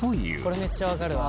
これめっちゃ分かるわ。